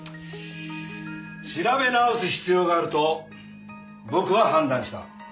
調べ直す必要があると僕は判断した。